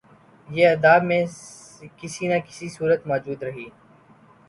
یہ ادب میں کسی نہ کسی صورت موجود رہی